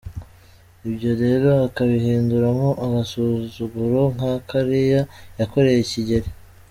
Ibyo rero akabihinduramo agasuzuguro nka kariya yakoreye kigeli.